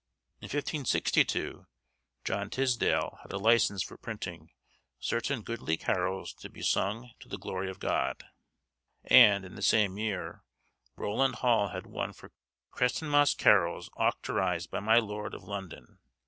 In 1562, John Tysdale had a license for printing 'Certayne goodly carowles to be songe to the glory of God;' and, in the same year, Rowlande Hall had one for 'Crestenmas carroles auctorysshed by my lorde of London.